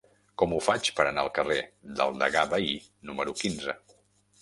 Com ho faig per anar al carrer del Degà Bahí número quinze?